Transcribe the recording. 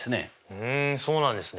ふんそうなんですね。